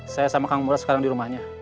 saya sama kang mural sekarang di rumahnya